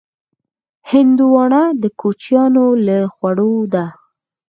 هندوانه د کوچیانو له خوړو ده.